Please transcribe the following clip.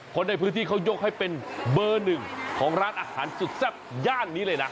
คนในพื้นที่เขายกให้เป็นเบอร์หนึ่งของร้านอาหารสุดแซ่บย่านนี้เลยนะ